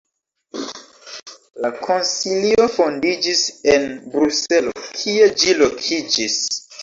La Konsilio fondiĝis en Bruselo, kie ĝi lokiĝis.